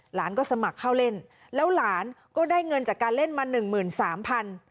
หลานก็สมัครเข้าเล่นแล้วหลานก็ได้เงินจากการเล่นมา๑๓๐๐๐บาท